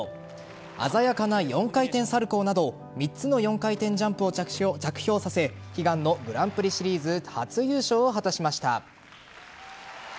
鮮やかな４回転サルコウなど３つの４回転ジャンプを着氷させ悲願のグランプリシリーズ初優勝を果たしました。